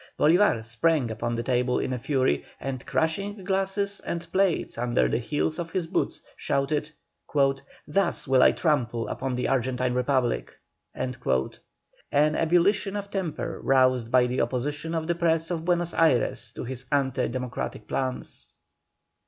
Bolívar sprang upon the table in a fury, and crushing glasses and plates under the heels of his boots, shouted "Thus will I trample upon the Argentine Republic." An ebullition of temper roused by the opposition of the press of Buenos Ayres to his anti democratic plans.